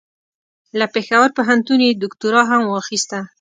له پېښور پوهنتون یې دوکتورا هم واخیسته.